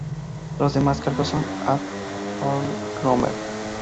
Los demás cargos son "ad honorem".